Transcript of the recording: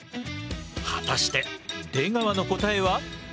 果たして出川の答えは？